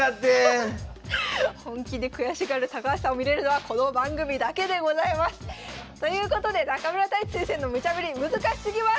本気で悔しがる高橋さんを見れるのはこの番組だけでございます！ということで中村太地先生のムチャぶり難しすぎます！